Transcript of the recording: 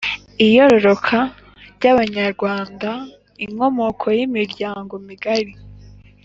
Iyororoka ry’Abanyarwanda, Inkomoko y’imiryango migari